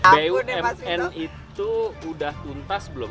bumn itu sudah tuntas belum